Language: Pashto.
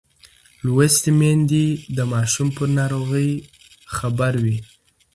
لوستې میندې د ماشوم پر ناروغۍ خبر وي.